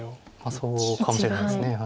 そうかもしれないです。